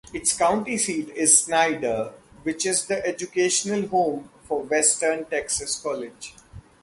Its county seat is Snyder, which is the educational home for Western Texas College.